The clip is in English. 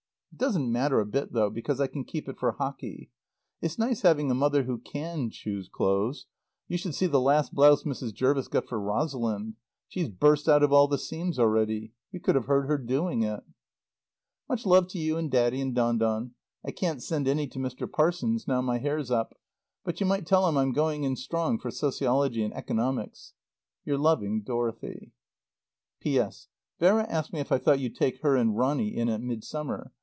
It doesn't matter a bit though, because I can keep it for hockey. It's nice having a mother who can choose clothes. You should see the last blouse Mrs. Jervis got for Rosalind. She's burst out of all the seams already. You could have heard her doing it. Much love to you and Daddy and Don Don. I can't send any to Mr. Parsons now my hair's up. But you might tell him I'm going in strong for Sociology and Economics. Your loving DOROTHY. P.S. Vera asked me if I thought you'd take her and Ronny in at Midsummer.